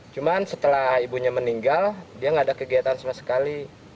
cuman setelah ibunya meninggal dia nggak ada kegiatan sama sekali